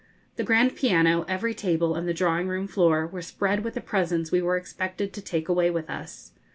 The grand piano, every table, and the drawing room floor, were spread with the presents we were expected to take away with us.